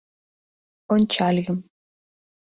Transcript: — Ончальым...